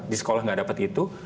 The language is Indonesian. di sekolah nggak dapat itu